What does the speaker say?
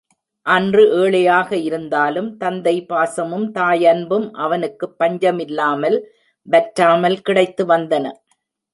அன்று ஏழையாக இருந்தாலும், தந்தை பாசமும், தாயன்பும் அவனுக்குப் பஞ்சமில்லாமல் வற்றாமல் கிடைத்து வந்தன.